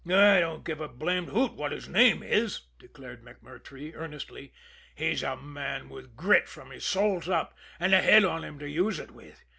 "I don't give a blamed hoot what his name is!" declared MacMurtrey earnestly. "He's a man with grit from the soles up, and a head on him to use it with.